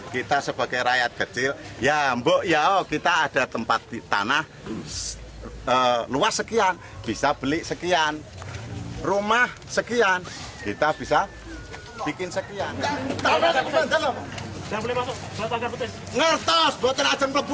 kita sebagai rakyat kecil ya mbok ya kita ada tempat di tanah luas sekian bisa beli sekian rumah sekian kita bisa bikin sekian